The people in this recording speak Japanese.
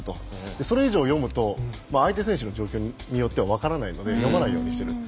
それ以上読むと相手選手の状況によっても分からないので読まないようにしている。